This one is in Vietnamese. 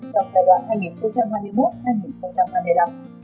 còn kinh tế kinh tế thù mô khoảng ba trăm năm mươi tỷ đồng